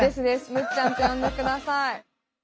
むっちゃんって呼んで下さい。